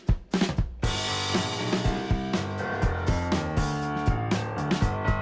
กำแวะกระทาเมลด์